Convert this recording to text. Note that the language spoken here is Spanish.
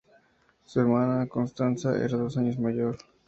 Su hermana Constanza era dos años mayor.